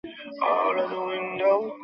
উনার কোমর শিকলে বাঁধা আছে।